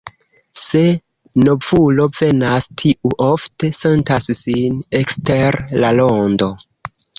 Se novulo venas, tiu ofte sentas sin ekster la rondo.